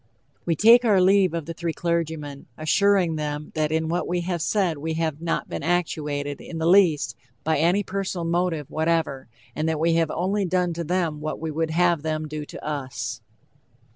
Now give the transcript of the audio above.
We take our leave of the three clergymen, assuring them that in what we have said we have not been actuated, in the least, by any personal motive whatever, and that we have only done to them what we would have them do to us.